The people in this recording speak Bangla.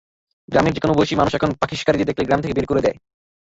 গ্রামের যেকোনো বয়সী মানুষ এখন পাখিশিকারিদের দেখলেই গ্রাম থেকে বের করে দেয়।